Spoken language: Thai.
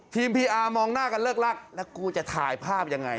พีอาร์มองหน้ากันเลิกลักแล้วกูจะถ่ายภาพยังไง